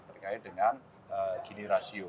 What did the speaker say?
berkait dengan gini ratio